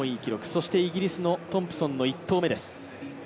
そしてイギリスのトンプソンの１投目です。